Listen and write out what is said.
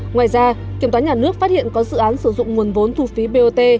ngoài ra kiểm toán nhà nước phát hiện có dự án sử dụng nguồn vốn thu phí bot